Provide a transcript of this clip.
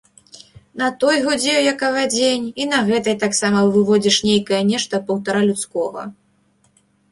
На той гудзеў, як авадзень, і на гэтай таксама выводзіш нейкае нешта паўтара людскога.